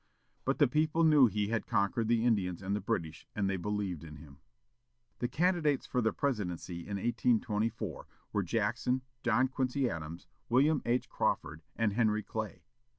But the people knew he had conquered the Indians and the British, and they believed in him. The candidates for the Presidency in 1824 were Jackson, John Quincy Adams, William H. Crawford, and Henry Clay.